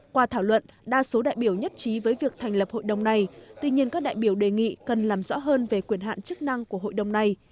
qua thảo luận đa số đại biểu nhất trí với việc thành lập hội đồng này tuy nhiên các đại biểu đề nghị cần làm rõ hơn về quyền hạn chức năng của hội đồng này